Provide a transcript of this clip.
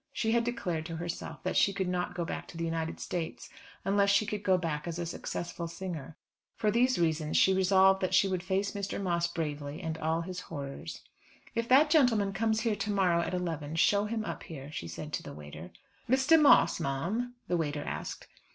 She had declared to herself that she could not go back to the United States unless she could go back as a successful singer. For these reasons she resolved that she would face Mr. Moss bravely and all his horrors. "If that gentleman comes here to morrow at eleven, show him up here," she said to the waiter. "Mr. Moss, ma'am?" the waiter asked.